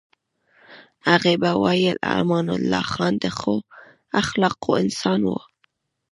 هغې به ویل امان الله خان د ښو اخلاقو انسان و.